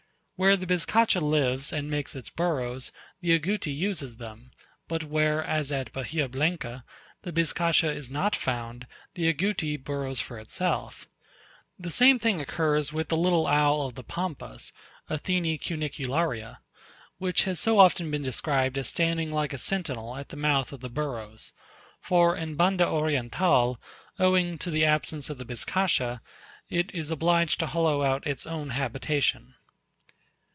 Where the Bizcacha lives and makes its burrows, the Agouti uses them; but where, as at Bahia Blanca, the Bizcacha is not found, the Agouti burrows for itself. The same thing occurs with the little owl of the Pampas (Athene cunicularia), which has so often been described as standing like a sentinel at the mouth of the burrows; for in Banda Oriental, owing to the absence of the Bizcacha, it is obliged to hollow out its own habitation.